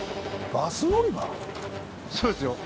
そうですよ。